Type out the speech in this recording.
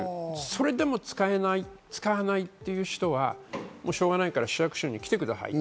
それでも使わないっていう人はしょうがないから市役所へ来てください。